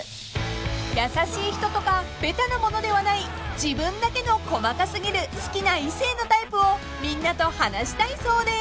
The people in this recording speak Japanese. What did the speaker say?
［優しい人とかべたなものではない自分だけの細かすぎる好きな異性のタイプをみんなと話したいそうで］